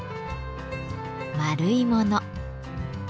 円いもの。